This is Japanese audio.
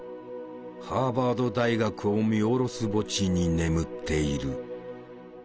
ハーバード大学を見下ろす墓地に眠っている。